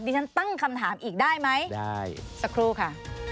ฉันตั้งคำถามอีกได้ไหมได้สักครู่ค่ะ